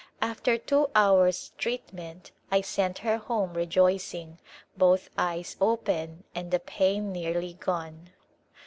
After two hours' treatment I sent her home rejoicing, both eyes open and the pain nearly gone.